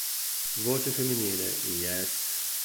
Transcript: Voce femminile: Yes?